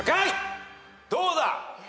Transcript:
どうだ？